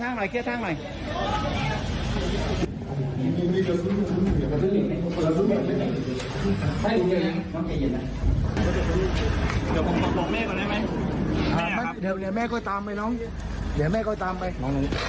นี้นางเป็นอะไรครับหลังนี้เท่าไหร่